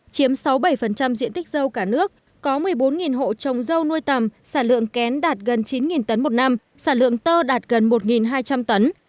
chiếm sáu bảy diện tích dâu cả nước có một mươi bốn hộ trồng dâu nuôi tầm sản lượng kén đạt gần chín tấn một năm sản lượng tơ đạt gần một hai trăm linh tấn